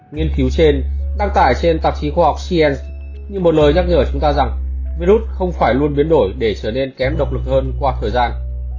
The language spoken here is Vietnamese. nghiên cứu trên đăng tải trên tạp chí khoa học cn như một lời nhắc nhở chúng ta rằng virus không phải luôn biến đổi để trở nên kém độc lực hơn qua thời gian